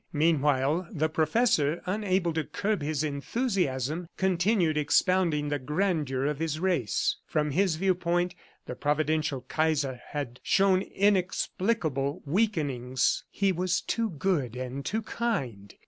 Meanwhile, the professor, unable to curb his enthusiasm, continued expounding the grandeur of his race. From his viewpoint, the providential Kaiser had shown inexplicable weakenings. He was too good and too kind.